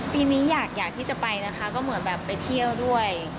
ปีนี้อยากที่จะไปนะคะก็เหมือนแบบไปเที่ยวด้วย